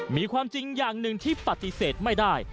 มีความจริงอย่างหนึ่งที่ปฏิเสธไม่ได้